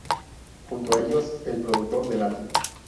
Junto a ellos, el productor del álbum.